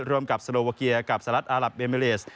ร่วมกับสโลวาเกียร์กับสลัดอาหลับเมเลส